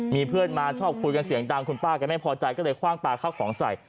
มีเพื่อนมาชอบคุยกันเสียงดังคุณป้าแกไม่พอใจก็เลยคว่างปลาข้าวของใส่